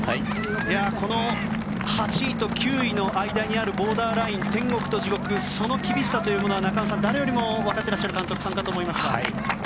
この８位と９位の間にあるボーダーライン天国と地獄その厳しさというのは誰よりもわかっている監督かと思います。